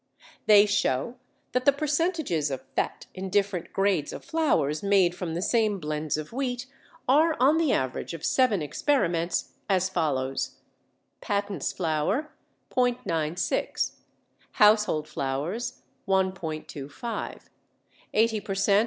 They show that the percentages of fat in different grades of flours made from the same blends of wheat are on the average of seven experiments as follows: patents flour ·96: household flours 1·25: 80 per cent.